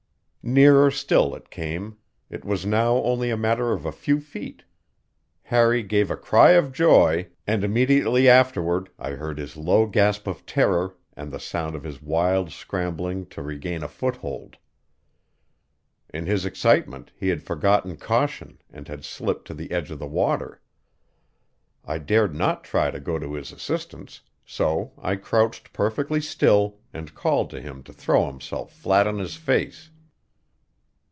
Nearer still it came; it was now only a matter of a few feet; Harry gave a cry of joy, and immediately afterward I heard his low gasp of terror and the sound of his wild scrambling to regain a foothold. In his excitement he had forgotten caution and had slipped to the edge of the water. I dared not try to go to his assistance; so I crouched perfectly still and called to him to throw himself flat on his face.